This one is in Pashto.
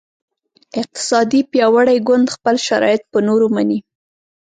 اقتصادي پیاوړی ګوند خپل شرایط په نورو مني